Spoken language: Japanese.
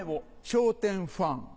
笑点ファン。